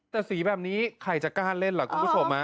แต่สีแบบนี้ใครจะกล้านเล่นเหรอ